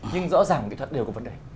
nhưng rõ ràng kỹ thuật đều có vấn đề